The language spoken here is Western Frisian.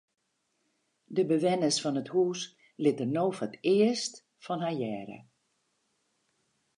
De bewenners fan it hús litte no foar it earst fan har hearre.